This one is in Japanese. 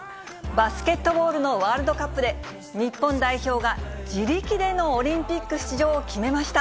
バスケットボールのワールドカップで、日本代表が自力でのオリンピック出場を決めました。